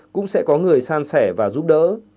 cũng sẽ có người san sẻ và giúp đỡ